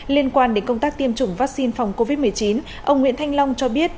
liên quan đến công tác tiêm chủng vaccine phòng covid một mươi chín ông nguyễn thanh long cho biết